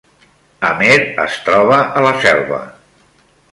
Amer es troba a la Selva